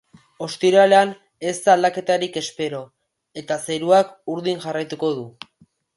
Ostiralean ez da aldaketarik espero, eta zeruak urdin jarraituko du.